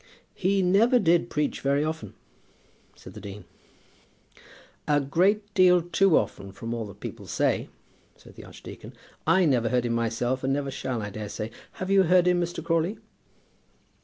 "He never did preach very often," said the dean. "A great deal too often, from all that people say," said the archdeacon. "I never heard him myself, and never shall, I dare say. You have heard him, Mr. Crawley?"